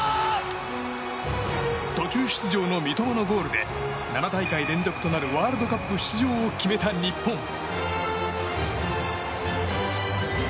途中出場の三笘のゴールで７大会連続となるワールドカップ出場を決めた日本。